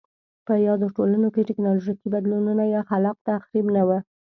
په یادو ټولنو کې ټکنالوژیکي بدلونونه یا خلاق تخریب نه و